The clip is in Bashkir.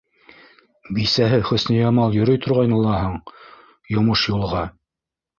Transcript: Бисәһе Хөсниямал йөрөй торғайны лаһаң йомош-юлға?